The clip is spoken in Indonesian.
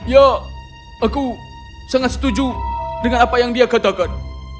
ya aku sangat setuju dengan apa yang dia katakan